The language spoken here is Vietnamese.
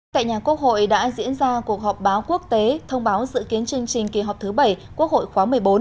tại nhà quốc hội đã diễn ra cuộc họp báo quốc tế thông báo dự kiến chương trình kỳ họp thứ bảy quốc hội khóa một mươi bốn